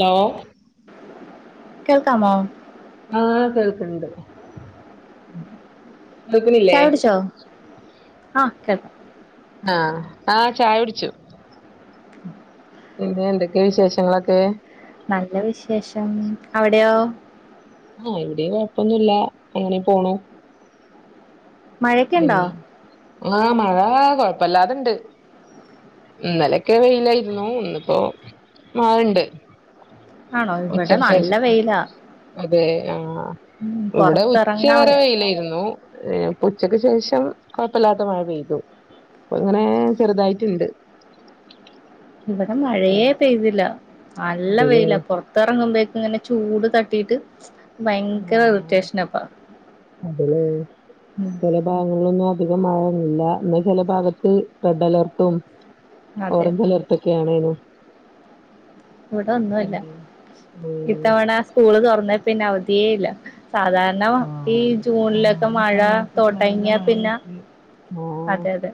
ഹ്‌ലോ കേൾക്കാമോ ആ കേൾക്ക്ണ്ട് ചായ [unintelligible] കുടിച്ചോ ആ ചായ കുടിച്ചു ആ ആ ചായ കുടിച്ചു പിന്നെ എന്തൊക്കെയ വിശേഷങ്ങളൊക്കെ നല്ല വിശേഷം അവിടെയോ ആ ഇവിടെ കൊഴപ്പൊന്നുല്ല അങ്ങനെ പോണു മഴയൊക്കെ ഉണ്ടോ ല്ല ആ മഴ ആ കുഴപ്പമില്ലാതെ ണ്ട് ഇന്നലൊക്കെ വെയിലായിരുന്നു ഇന്ന് ഇപ്പോ മഴണ്ട് ആണോ ഇവിടെ ഉച്ചയ്ക്ക് നല്ല ശേഷം വെയിലാ അതെ ആ ഉം, ഇവിടെ പുറത്തിറങ്ങാൻ ഉച്ചവരെ വയ്യ വെയിലേരുന്നു ഉച്ചയ്ക്കുശേഷം കൊഴപ്പല്ലാത്ത മഴപെയ്തു പ്പോ ങ്ങനെ ചെറുതായിട്ട് ണ്ട് ഇവിടെ മഴയെ പെയ്തില്ല നല്ല അതേല്ലേ വെയിലാ പൊറത്തെറങ്ങുമ്പേ ങ്ങനെ ചൂടു തട്ടിട്ട് ഭയങ്കര ഇറിറ്റേഷന പ്പം [inaudible] ചെല ഭാഗങ്ങലിലൊന്നും പിന്നെ മഴയില്ല പിന്നെ ചെല ഭാഗത്ത് റെഡ് അലേർട്ടും അതെ ഓറഞ്ച് അലേർട്ടൊക്കെയാണ് നേനു ഇവിടെ ഒന്നൂല്ല ഉം ഇത്തവണ സ്കൂള് തൊറ ന്നെ പിന്നെ അവധിയേ ല്ല സാധാരണ ഈ ആഹ് ജൂണിലെക്കെ ആഹ് ഈ മഴ സമയത്തൊക്കെ നല്ല തൊടങ്ങിയ പിന്നെ മഴയായിട്ട് അതെ അതെ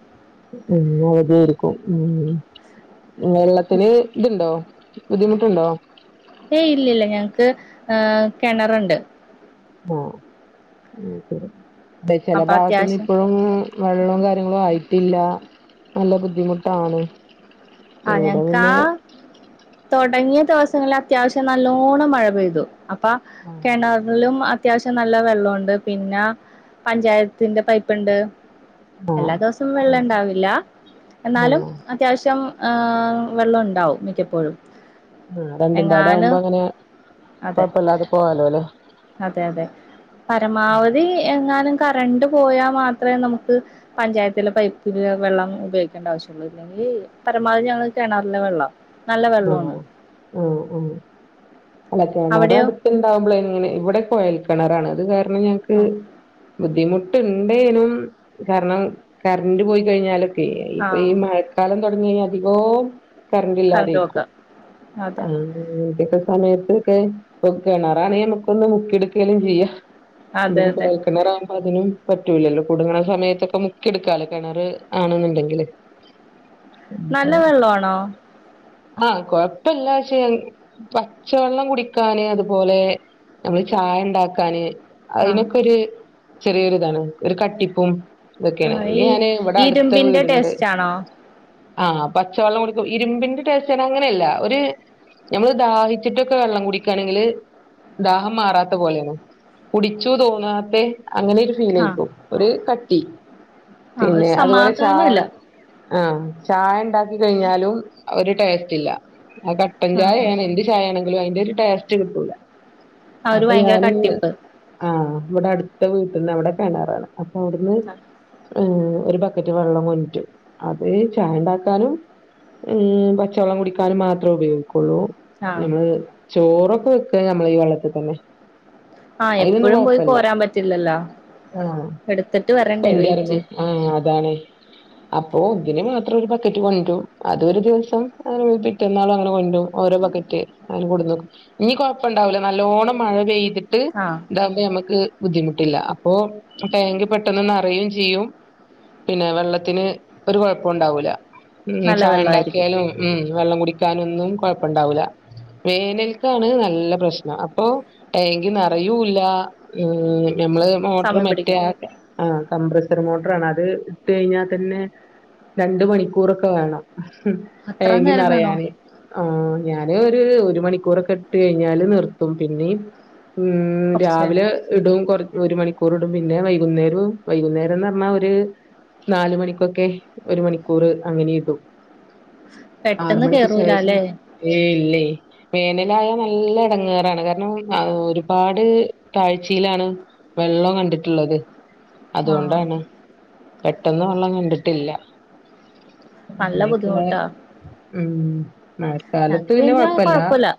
എന്നും അവധിയേര്ക്കും [unintelligible] ഉം വെള്ളത്തില് ഇതുണ്ടോ ബുദ്ധിമുട്ടുണ്ടോ ഏയ് ഇല്ലില്ല ഞങ്ങക്ക് ഏ കെണറ്ണ്ട് ഓ അത് ശെരി തെ ചെല അപ്പൊ ഭാഗത്തൊന്നും അത്യാവശ്യം ഇപ്പഴും വെള്ളോം കാര്യങ്ങളും ആയി ട്ടില്ല നല്ല ബുദ്ധിമുട്ടാണ് ആ ഇവിടെ ഞങ്ങക്ക് ആ പിന്നെ തൊടങ്ങിയ ദിവസങ്ങളില് അത്യാവശ്യം നല്ലോണം മഴ പെയ്തു അപ്പം ആഹ് കെണറിലും അ അത്യാവശ്യം നല്ല വെള്ളൊണ്ട് പിന്ന പഞ്ചായത്തിൻ്റെ പൈപ്പിണ്ട് എല്ലാ ആഹ് ദിവസവും വെള്ളം ഇണ്ടാവില്ല ആഹ് എന്നാലും ആഹ് അത്യാവശ്യം ആ വെള്ളം ഇണ്ടാവും മിക്കപ്പോഴും രണ്ടും പാടെ എങ്ങാലും ആവുമ്പോ അങ്ങനെ അതെ കൊഴപ്പല്ലാതെ പോവാലോ അല്ലേ അതെ അതെ പരമാവതി എങ്ങാനും കറണ്ട് പോയാ മാത്രേ നമുക്ക് പഞ്ചായത്തിലെ പൈപ്പുപയോ വെള്ളം ഉപയോഗിക്കേണ്ട ആവശ്യം ഉള്ളൂ ഇല്ലെങ്കി പരമാവതി ഞങ്ങള് കെണറ്ലെ വെള്ളം ആന്നോ വെള്ളമാണ് ആ ആ അല്ല അവിടെയോ കെണറടിത്തിണ്ടാവുമ്പളെ ഇങ്ങനെ ഇവിടെ കൊയൽ കെണറാണ് ഇത് [unintelligible] ന്നെ ഞങ്ങക്ക് ആഹ് ബുദ്ധിമുട്ടുണ്ടേലും കാരണം കറ്ണ്ട് പോയി കഴിഞ്ഞാലും ഇപ്പം ഈ ആഹ് മഴക്കാലം തൊടങ്ങി കഴിഞ്ഞാൽ വിവോ കറണ്ട് കറ്ണ്ടില്ലാതെയും പോക്കാ ആ അതെ [unintelligible] ല സമയത്ത്ക്കെ പ്പം കെണറാണെ അമ്മക്കൊന്ന് മുക്കി എട്ക്കേലും ചെയ്യാം അതെ ഇതിപ്പം അതെ കൊഴൽ കെണറാകുമ്പം അതിനും പറ്റൂലല്ലോ കുടുങ്ങ്ണ സമയത്തൊക്കെ മുക്കി എടുക്കാലോ കെണറ് ആണ്ന്ന്ണ്ടങ്കില് നല്ല വെള്ളം ആണോ ആഹ് കൊഴപ്പല്ല ഷേ ഞ പച്ചവള്ളം കുടിക്കാന് അത്പോലെ ഞങ്ങള് ചായണ്ടാക്കാന് ആഹ് അയിനൊക്കെഒര് ചെറിയ ഒരിതാണ് ഒര് കട്ടിപ്പും ഇതൊക്കെയാണ് ആ ഇനി ഇ ഞാന് ഇവിടെ ഇരുമ്പിന്റ ടേസ്റ്റാണോ ആ പച്ചവെള്ളം കുടിക്കും ഇരുമ്പിന്റെ ടേസ് റ്റാണ് അങ്ങനെഅല്ല ഒര് ഞമ്മള് ദാഹിച്ചിട്ടൊക്കെ വെള്ളം കുടിക്കാണെങ്കില് ദാഹം മാറാത്തെ പോലെയാണ് കുടിച്ചു തോന്നാത്തെ അങ്ങനെ ഒര് ഫീൽ ആഹ് ആയിക്കും ഒര് കട്ട ട്ടി ആഹ് ഒരു പിന്നെ അത്പോലെ ചാ സമാധാനല്ല ആഹ് ചായണ്ടാ ക്കി കഴിഞ്ഞാലും ഒര് ടേ സ്റ്റില്ല മ്മ ആഹ് കട്ടൻചായാണ് എന്ത് ചായാണ് മ്പിലും അയിന്റെ ഒര് ടേസ്റ്റ് കിട്ടൂല ആഹ് ഒരു അപ്പം ഭയങ്കര ഞാന് കട്ടിപ്പ് ആ ഇവ്ടെ അടുത്ത വീട്ടീന്ന് അവിടെ കെണറാണ് അപ്പം അവിടുന്ന് ഒര് ബക്കറ്റ് വള്ളം കൊണ്ടിട്ട് അത് ചായണ്ടാക്കാനും ഉം പറ്റ് ച്ച വള്ളം കുടിക്കാനും മാത്രം ഉപയോഗി കൊള്ളു ആഹ് ഞമ്മള് ചോറ് ക്ക്‌ വെക്ക ഞമ്മളെ ഈ വെള്ളത്തിതന്നെ ആഹ് അയ്നൊന്നും എപ്പഴും പോയി കൊയപ്പില്ല കോരാൻ പറ്റില്ലല്ലോ ആ എടുത്തിട്ട് വരണ്ടേ എന്റെ വെയിറ്റ് അറിവും ആ അതാണെ അപ്പൊ അയിന് മാത്രം ഒര് ബക്കറ്റ് കൊണ്ടരും അത് ഒര് ദിവസം പിറ്റന്നാളും അങ്ങനെ കൊണ്ടുരും ഒരേ ബക്കറ്റ് അങ്ങനെ കൊണ്ടുന്നു ഇനി കൊഴപ്പം ഉണ്ടാവില്ല നല്ലോണം മഴ പെയ്തി ട്ട് ആഹ് ഇതാവുമ്പം ഞമ്മക്ക് ബുദ്ധിമുട്ടില്ല അപ്പൊ ട്ടാങ്ക് ‌ പെട്ടന്ന് നെറേയും ചെയ്യും വെള്ളത്തിന് ഒരു കൊഴപ്പോം ഉണ്ടാവൂല ഉം നല്ല വെള്ളായിരിക്കും ചായണ്ടാക്കിയാലും ഉം വെള്ളം കുടിക്കാനൊന്നും കൊഴപ്പണ്ടാവൂല്ല വേനൽക്കാണ് നല്ല പ്രശ്നം അപ്പൊ ടാങ്ക് നെറയുംല്ലാ ഉം ഞമ്മള് മോട്ടറ് സമയം മറ്റേ പിടിക്കും ആ ആ കംപ്രെസ്ഡ് മോട്ടർ ആണ് അത് ഇട്ട് കഴിഞ്ഞാൽ തന്നെ രണ്ട് മണിക്കൂർ ഒക്കെ വേണം അത്ര ടാങ്ക് നേരം വേണോ നിറയാന് ആഹ് ഞാന് ഒരു ഒരു മണിക്കൂർ ഒക്കെ ഇട്ട് കഴിഞ്ഞാൽ നിർത്തും പിന്നെ ഉം കൊറച്ച് രാവിലെ ഇടും കുറ ഒരു മണിക്കൂർ ഇടും പിന്നെ വൈകുന്നേരം വൈകുന്നേരന്ന് പറഞ്ഞാൽ ഒരു നാല് മണിക്ക് ഒക്കെ ഒരു മണിക്കൂർ അങ്ങനെ ഇടൂ ആറ് പെട്ടെന്ന് മണിക്ക് കേറൂല ശേഷം അല്ലേ ഏയ് ഇല്ലേ ഞാൻ [unintelligible] നല്ല ഇടങ്ങേറ് ആണ് കാരണം ഒരുപാട് താഴ്ചയിൽ ആണ് വെള്ളം കണ്ടിട്ടുള്ളത് ആഹ് അതുകൊണ്ടാണ് പെട്ടെന്ന് വെള്ളം കണ്ടിട്ടില്ല നല്ല അങ്ങനെയൊക്കെയുള്ള ബുദ്ധിമുട്ടാ ഉം മഴക്കാലത്ത് ഞങ്ങക്ക് പിന്നെ കൊഴപ്പല്ല കൊഴപ്പില്ലാ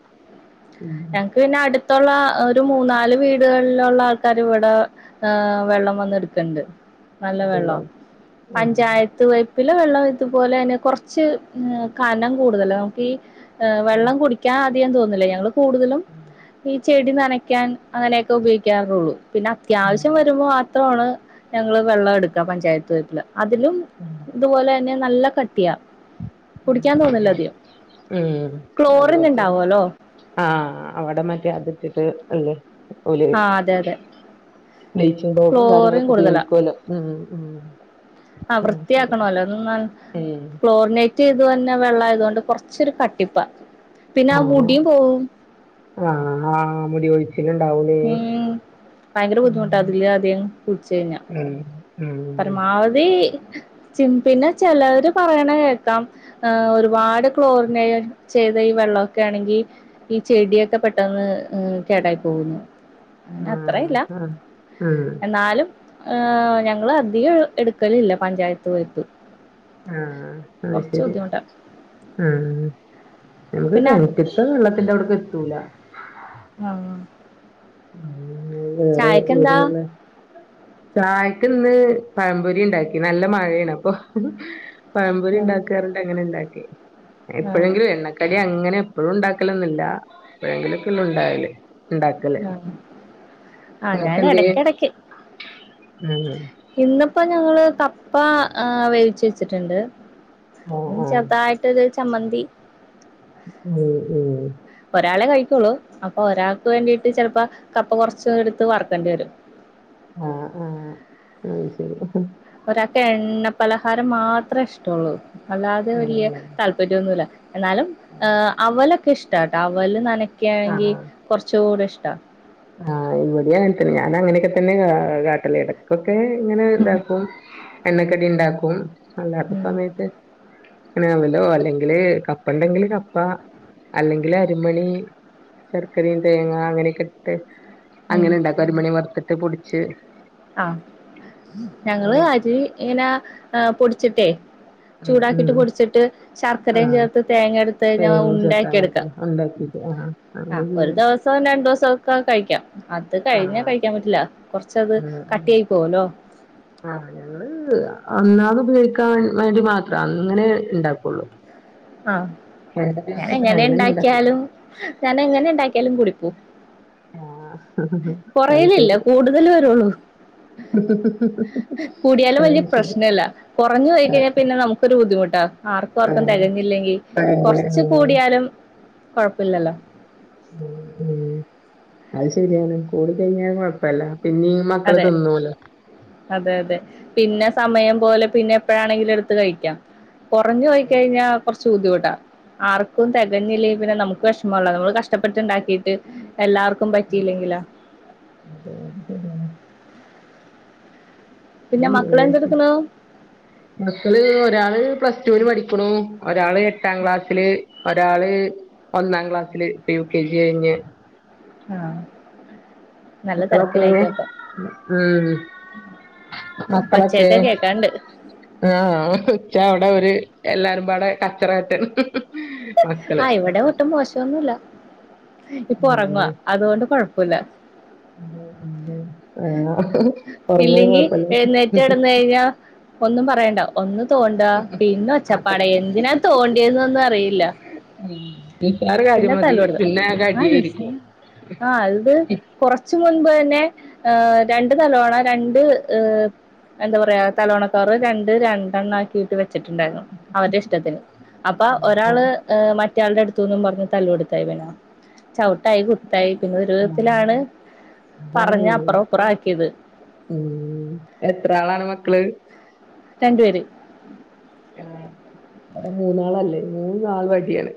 ഉം ഞങ്ങക്ക് പിന്നെ അടു ത്തുള്ള ഒരു മൂന്നാല് വീടുകളിലുള്ള ആൾക്കാര് ഇവിടെ ഏഹ് വെള്ളം വന്ന് എടുക്കണ്ട് നല്ല വെള്ളോ അതെല്ലേ ഉം പഞ്ചായത്ത്‌ പൈ പ്പിലെ വെള്ളം ഇതുപോലെ തന്നെ കുറച്ചു കനം കൂടുതലാ ആഹ് വെള്ളം കുടിക്കാൻ [unintelligible] കൂടുതലും ഈ ചെടി നനക്കാൻ അങ്ങനെ ഒക്കെ ഉപയോഗിക്കാറുള്ളു പിന്നെ ഞാൻ അത്യാവശ്യം വരുമ്പോ മ ത്രാണ് ഞങ്ങൾ വെള്ളം എടുക്കാ പഞ്ചായത്ത്‌ പൈപ്പിലെ അതിലും ഇതുപോലെ പിന്നെ നല്ല കട്ട്യാ കുടിക്കാൻ തോന്നില്ല ആഹ് അധികം ഉം ക്ലോറിൻ അതുപോലെത്തെ ഉണ്ടാവുമല്ലോ ആ അവിടെ മറ്റേ അതിട്ട്ട്ട് അല്ലെ ഓല് ആഹ് അതെ അതെ ബ്ലിച്ചിങ് പൗഡറും ക്ലോറിൻ കാര്യങ്ങളൊക്കെ ഉപയോഗിക്കുവല്ലോ ഉം ഉം ആ അത് വൃത്തി ശരി ആക്കണോല്ലോ ഇതൊന്ന് ഉം ക്ലോറിനെറ്റ് വെന്ന വെള്ളായത് കൊണ്ട് കൊറച്ചൊരു കട്ടിപ്പാ പിന്നെ ആഹ് മുടിയും പോവും ആഹ് ആഹ് മുടി കൊഴിച്ചിലുണ്ടാവൂലേ ഉം ഭയങ്കര ഉം ബുദ്ധിമുട്ട അതില് അധികം കുളിച്ച് കഴിഞ്ഞാ ഉം ഉം പരമാവധി പിന്നെ ചെലയൊര് പറയണ കേൾക്കാം ഏ ഒരുപാട് ക്ലോറിൻ ചെയ്ത വെള്ളൊക്കെ ആണെങ്കിൽ ഈ ചെടി ഒക്കെ പെട്ടെന്ന് കേടായി പോകുന്ന് അത്രേ ആഹ് ഇല്ല ആഹ് ആഹ് എന്നാലും ആ ഞ ങ്ങള് അധികം എടുക്കലില്ല പഞ്ചായത്ത് പൈപ്പ് ആ അത് കൊറച്ച് ശെരി ബുദ്ധിമുട്ടാ ആ പിന്നെ ഞമ്മക്ക് കെൻന്റ്ത്തെ വെള്ളത്തിന്റെ അവ്ട്ക്ക് എത്തൂല ആ [inaudible] വേറെ ഏത് ചായക്കെന്താ വെള്ള ചായക്കിന്ന് പഴം പൊരി ണ്ടാക്കി നല്ല മഴയാണ് പ്പൊ പഴം പൊരി ആഹ് ണ്ടാക്കാ പറഞ്ഞിട്ട് അങ്ങനെ ണ്ടാക്കി [inaudible] ആഹ് എപ്പഴെങ്കിലും എണ്ണക്കടി അങ്ങനെ എപ്പളും ണ്ടാക്കലൊന്നുല്ല എപ്പഴെങ്കിലൊക്കെള്ളൂ ണ്ടാകല് ണ്ടാക്കല് ആ ഞാൻ എടക്കെടക്ക് ഉം ഇന്നിപ്പ ഞങ്ങള് കപ്പ വേവിച്ച് വെച്ചിട്ടുണ്ട് ഓ ഓ ചെറുതായിട്ടൊരു ചമ്മന്തി ഉം ഉം ഒരാളെ കഴിക്കുള്ളു അപ്പൊ ഒരാൾക്ക് വേണ്ടിട്ട് ചെലപ്പോ കപ്പ കൊറച്ച് എടുത്ത് വറുക്കേണ്ടി വരും ആ ആ ഒരാൾക്ക് എണ്ണ പലഹാരം മാത്രേ ഇഷ്ട്ടൊള്ളൂ അല്ലാതെ വലിയ താല്പര്യോന്നുല്ല എന്നാലും അവൻ എനിക്ക് ഇഷ്ടാട്ടോ അവൽ നനയ്ക്കു ആഹ് [unintelligible] കുറച്ചു കൂടി ഇഷ് ട്ട് ആഹ് ഇവിടെയും അങ്ങനെ തന്നെ ഞാൻ അങ്ങനെ ഒക്കെ തന്നെയാ കാട്ടല് ഇടക്കൊ ക്കെ ഇങ്ങനെ ഉം ഇതാകും, എണ്ണക്കടി ഉണ്ടാക്കും. [inaudible] അല്ലാത്ത സമയത്ത് അങ്ങനെ അവലോ അല്ലെങ്കില് കപ്പയുണ്ടെങ്കിൽ കപ്പ അല്ലെങ്കിൽ അരിമണി ശർക്കരയും തേങ്ങ അങ്ങനെക്കെ. ഉം അങ്ങനെ ഉണ്ടാക്കുവോ അരിമണി വറുത്തി അത് പൊടിച്ച് ആഹ് ഞങ്ങള് അങ്ങനെ അരി ഇങ്ങനെ പൊടി ച്ചിട്ടേ ഉം ഉം ചൂടാക്കീട്ട് പൊടിച്ചട്ട് ശർക്കരയും ആഹ് ചേർത്ത് തേങ്ങയെടുത്ത് കഴിഞ്ഞാൽ തേങ്ങയും ചേർത്ത് ഉണ്ടയാക്കി അങ്ങനെ എടുക്കാം, തന്നെ ഉണ്ടാക്കിട്ട് ആഹ് അങ്ങനെ ഒരു ചെയ്യും ദിവസവും രണ്ട് ദിവസവുമൊക്കെ കഴിക്കാം. അതു കഴിഞ്ഞാൽ ആഹ് കഴിക്കാൻ പറ്റില്ല കൊറച്ച് അത്. ഉം ഉം ആഹ് ഞങ്ങള് ആ അന്നാള് ഉപയോഗിക്കാൻ വേണ്ടി മാത്രം അങ്ങനെ ഇണ്ടാക്കൂള്ളു. ആഹ് അങ്ങനെയൊന്നും ഉണ്ടാക്കി ഞാനെങ്ങനെണ്ടാകിയാലും ഞാനെങ്ങനിണ്ടാകിയാലും കൂടി. പ്പോ ആഹ് അത് കൊറേയാലില്ല ശരി കൂടുതലുവരൂള്ള, കൂടിയാലും വല്യ അത് ശരി പ്രശ്നമില്ല കുറഞ്ഞു ആഹ് പോയാൽ പിന്നെ നമുക്കൊരു ബുദ്ധിമുട്ടാ, ആർക്കും ആർക്കും തെകങ്ങില്ലെങ്കിൽ, ആഹ് അങ്ങനെ കൊറച്ചു ആഹ് കൂടിയാലും. കൊഴപ്പില്ലല്ലൊ [unintelligible] അത് ശരിയാണ്, കൂടികഴിഞ്ഞാൽ കൊഴപ്പില്ല. പിന്നെയും അതെ മക്കള് തിന്നൂലാ. അതെ അതെ പിന്നെ സമയം പോലെ പിന്നെ എപ്പോഴുയാണെങ്കിലും എടുത്ത് കഴിക്കാം. കൊറഞ്ഞ് പോയികഴിഞ്ഞാൽ കൊറച്ച് ബുദ്ധിമുട്ടാ. ആർക്കും തെകഞ്ഞില്ലേ പിന്നെ നമുക്ക് വിഷമയുള്ളതാ നമ്മള് കഷ്ടപ്പെട്ടുണ്ടാക്കീട്ട്. എല്ലാർക്കും പറ്റീല്ലെങ്കിലോ. പിന്നെ [unintelligible] മക്കളെന്തെടുക്കണു മക്കളെ ഒരാള് പ്ലസ് ടൂവിന് പഠിക്കണു. ഒരാള് എട്ടാക്ലാസില് ഒരാള് ഒന്നാക്ലാസില് യുകെജി കഴിഞ്ഞു. ആഹ് നല്ല മക്കളൊക്കെ തിരക്കിലായിരിക്കും അപ്പൊ ഉം മക്കളൊക്കെ ഒച്ചയൊക്കെ കേക്കാണ്ട് ആഹ് ച്ചേ അവടേ ഒര് എല്ലാരുമ്പാടെ കച്ചറകാട്ടാണ് ആഹ് ഇവിടേം ഒട്ടും മോശവൊന്നില്ല ഇപ്പൊ ഉം ഒറങ്ങാ അതുകൊണ്ട് കൊഴ പ്പുല്ല ആഹ് ഒറങ്ങണ ഇല്ലെങ്കി കൊഴപ്പല്ല എഴുന്നേറ്റ് കെടന്നഴിഞ്ഞ ഒന്നും പറയ ഒന്ന് തോണ്ടാ പിന്നെ ഒച്ചപ്പാടായി അതന്നെ എന്തിനാ തോണ്ട്യെയെന്നൊന്നു അറിയില്ല ഉം നിസ്സാരകാര്യം പിന്നെ മതി തല്ലുപിടുത്തം പിന്നെ ആകെ ആ നഴ്സ അടിയായിരിക്കും മുമ്പ് തന്നെ ഏഹ് രണ്ട് തലോണ രണ്ട് ഏ എന്താ പറിയാ തലോണകവറ് രണ്ട് രണ്ടെണ്ണാക്കീട്ട് വെ ച്ചിണ്ടാര്ന്നു അവര്ടെ ഇഷ്ടത്തിന് അപ്പ ഒരാള് ആഹ് ഏ മ റ്റാൾടെ എടുത്തൂന്നും പറഞ്ഞ് തല്ലോട്തായ് വേനാ ചവിട്ടായ് കുത്തായ് ആഹ് പിന്നൊരുവിധത്തിലാണ് അതാണ് പറഞ്ഞ് അപ്പറോപ്പറോം ആക്കീത് ഉം എത്ര ആളാണ് മക്കള് രണ്ടു പേര് ആഹ് മൂന്നാളല്ലേ മൂന്നാളും അടിയാണ്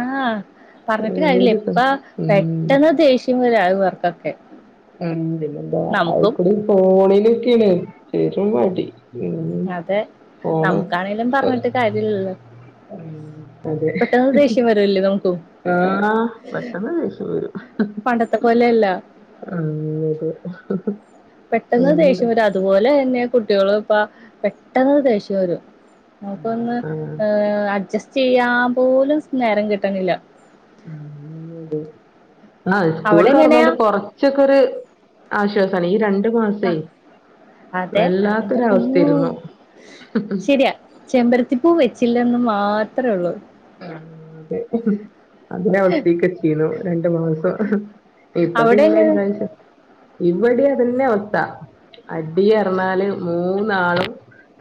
ആഹ് പറഞ്ഞിട്ട് കാര്യല്ലാ ഏത് സം ഇപ്പ ഉം പെട്ടന്ന് ദേഷ്യം [unintelligible] ഇവർക്കൊക്കെ [unintelligible] എന്താ നമുക്കും അയ്കൂടി ഫോണി ഡി ക്ക്ണ് വെറും മടി അതെ നമുക്കാണേലും പറഞ്ഞിട്ട് കാര്യഇല്ലല്ലോ ഉം അതെ നമുക്കും ആഹ് പെട്ടന്ന് ദേഷ്യം വരും പണ്ടത്തെ പോലെയല്ല അങ്ങോട്ട് പെട്ടന്ന് ദേഷ്യം വരും അതുപോലെ തന്നെ കുട്ടികളും ഇപ്പ പെട്ടന്ന് ദേഷ്യം വരും ആഹ് മൂത്തതങ്ങാ ആഹ് ഏഹ് അഡ്ജസ്റ്റ് ചെയ്യാ പോലും സ് നേരം കിട്ടണില്ല [unintelligible] അതെ ആഹ് സ്കൂൾ അവിടെ എങ്ങനെയാ തൊറന്നോണ്ട് കൊറച്ചക്കൊരു ആശ്വാസ പണി രൻ ആഹ് അതെ ഇന്റെ പോന്നോ വല്ലാത്തൊരവസ്ഥയായിരുന്നു ശെര്യ ചെമ്പരത്തിപ്പു വെച്ച് ഇല്ലെന്ന് മാത്രെ ഒള്ളു ആഹ് അതെ അതിന് അവൻ സ്പീക്കെച്ചിന്നു രണ്ട് മാസം ഇപ്പ അവിടെ പിന്നെ എങ്ങനെ എന്താന്ന്ച്ചാ ഇവിടെയാ ഇതെന്നെ അവസ്ഥ അടി അർഞ്ഞാല് മൂന്നാളും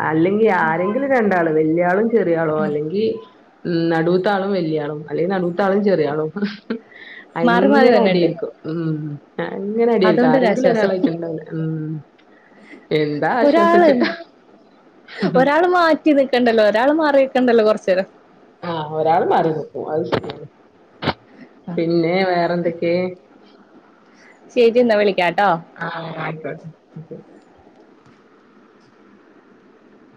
അല്ലങ്കി ആരെങ്കിലും രണ്ടാളും വല്യാളും ചെറിയാളും ഉം അല്ലെങ്കി ഉം നടുത്താളും വല്യാളും അല്ലെ നടുത്താളും ചെറിയാളും മാറി മാറി അയ്ങ്ങനെ വരണുണ്ട് അടിയായ്ക്കും ഉം അങ്ങനെ അടിയായ്ക്കും ആരെങ്കിലും ഒരാളായിട്ട് ണ്ടാകും ഉം എന്താ ഒരാളെ ആശ്വസിച്ചിട്ടാ ഒരാള് മാറ്റി നിക്കണ്ടല്ലോ ഒരാള് മാറിനിക്കണ്ടല്ലോ കൊറച്ച്നേരം ആഹ് ഒരാള് മാറിനിക്കും അത് ശരിയാണ് പിന്നെ വേറെ എന്തെക്കെ ശരി എന്നാ വിളിക്കാട് ആ ആയിക്കോട്ടെ